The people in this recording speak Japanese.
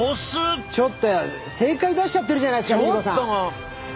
ちょっと正解出しちゃってるじゃないですかＬｉＬｉＣｏさん！